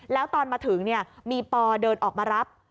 แล้วตอนมาถึงมีปอเดินออกมารับ